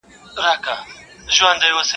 خدايه ما ښه مه کې، ما په ښو خلگو واده کې!